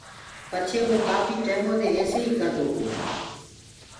پڇي وو ڪآڦي ٽيمودي ايسي ئي ڪردو گو۔